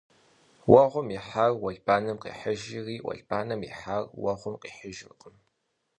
Vueğum yihar vuelbanem khêhıjjri, vuelbanem yihar vueğum khihıjjırkhım.